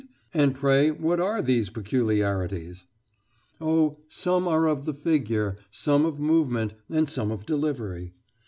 And pray, what are these peculiarities?" "Oh, some are of the figure, some of movement, and some of delivery.